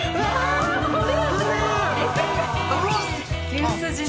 牛すじの。